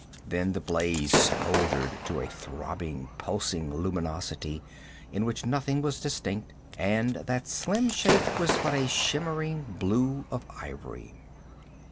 Then the blaze smoldered to a throbbing, pulsing luminosity in which nothing was distinct, and that slim shape was but a shimmering blue of ivory.